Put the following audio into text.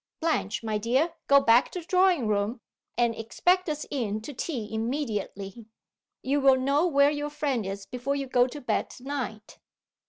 Blanche, my dear, go back to the drawing room, and expect us in to tea immediately. You will know where your friend is before you go to bed to night."